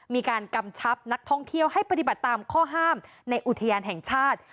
กำชับนักท่องเที่ยวให้ปฏิบัติตามข้อห้ามในอุทยานแห่งชาติ